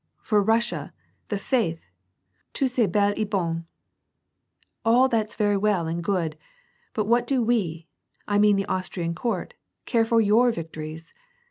for llussia, the faith ! Tautga est bd et bonf all that's very well and good! but what do we, I mean the Austrian Court, care for your victories